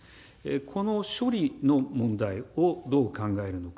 この処理の問題をどう考えるのか。